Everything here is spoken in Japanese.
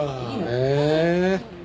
へえ。